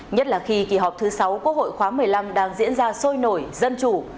nhất là khi kỳ họp thứ sáu quốc hội khóa một mươi năm đang diễn ra sôi nổi dân chủ